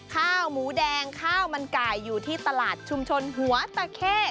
ข้าวหมูแดงข้าวมันไก่อยู่ที่ตลาดชุมชนหัวตะเข้